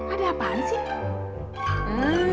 ada apaan sih